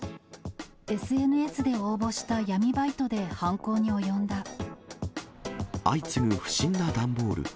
ＳＮＳで応募した闇バイトで相次ぐ不審な段ボール。